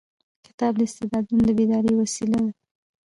کتاب د استعدادونو د بیدارۍ وسیله ده.